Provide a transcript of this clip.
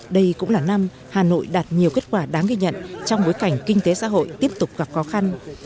đây cũng là năm hà nội đạt nhiều kết quả đáng ghi nhận trong bối cảnh kinh tế xã hội tiếp tục gặp khó khăn